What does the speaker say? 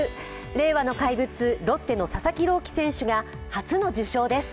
令和の怪物・ロッテの佐々木朗希選手が初の受賞です。